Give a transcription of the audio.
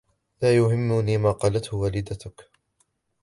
لا يهمني ما قالتهُ والدتك.